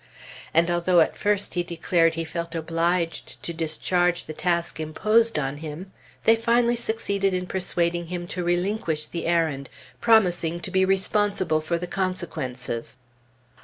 And although at first he declared he felt obliged to discharge the task imposed on him, they finally succeeded in persuading him to relinquish the errand, promising to be responsible for the consequences.